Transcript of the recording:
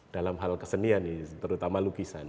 dalam hal kesenian ini terutama lukisan